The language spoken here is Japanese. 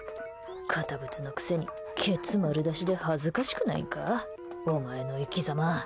堅物のくせにケツ丸出しで恥ずかしくないんかお前の生きざま。